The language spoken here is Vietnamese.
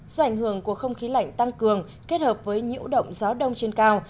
do ảnh hưởng của không khí lạnh tăng cường kết hợp với nhiễu động gió đông trên cao